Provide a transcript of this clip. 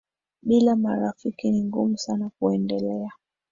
Bila marafiki ni ngumu sana kuendelea